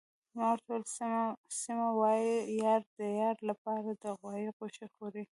ما ورته وویل: سیمه، وايي یار د یار لپاره د غوايي غوښې خوري.